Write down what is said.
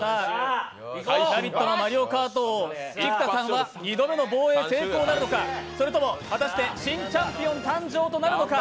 「ラヴィット！」のマリオカート王菊田さんは２度目の防衛成功なるのかそれとも、果たして新チャンピオン誕生となるのか？